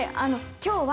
「今日は」